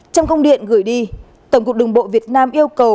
trong công điện gửi đi tổng cục đường bộ việt nam yêu cầu